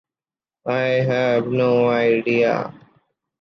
I have no idea.